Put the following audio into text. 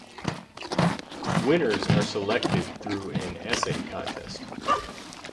Winners are selected through an essay contest.